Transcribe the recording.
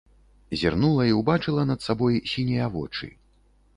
Зірнула і ўбачыла над сабой сінія вочы.